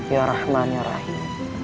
ya rahman ya rahim